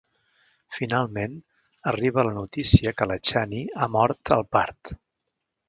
Finalment, arriba la notícia que la Chani ha mort al part.